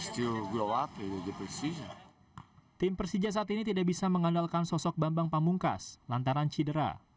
tim persija saat ini tidak bisa mengandalkan sosok bambang pamungkas lantaran cedera